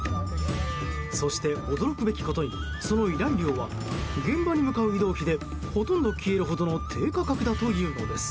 そして驚くべきことにその依頼料は現場に向かう移動費でほとんど消えるほどの低価格だというのです。